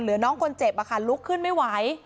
น้องคนเจ็บลุกขึ้นไม่ไหว